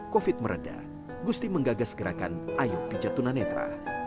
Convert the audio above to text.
covid meredah gusti menggagas gerakan ayo pijat tunanetra